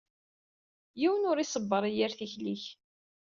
Yiwen ur isebbeṛ i yir tikli-k.